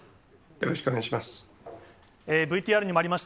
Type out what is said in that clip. よろしくお願いします。